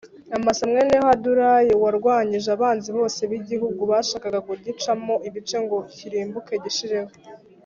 Amasa mwene Hadulayi warwanyije abanzi bose b’igihugu bashakaga kugicamo ibice ngo kirimbuke gishireho.